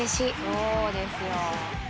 「そうですよ」